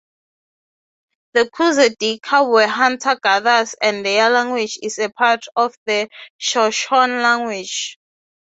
The Kuzedika were hunter-gatherers and their language is a part of the Shoshone language.